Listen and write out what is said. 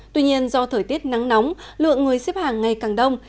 tuy nhiên do thời tiết nắng nóng lượng người xếp hàng ngày càng đông